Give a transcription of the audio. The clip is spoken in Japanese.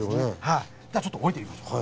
ではちょっと下りてみましょう。